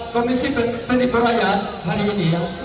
komisi pertiperdayaan hari ini ya